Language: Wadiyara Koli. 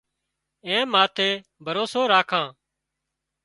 اين ماٿي ڀروسو راکان